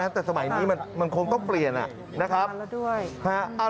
แต่สมัยนี้มันคงต้องเปลี่ยนนะครับ